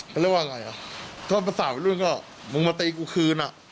ก็เรียกว่าไงอ่ะก็ประสาทวิทยุนก็มึงมาตีกูคืนอ่ะ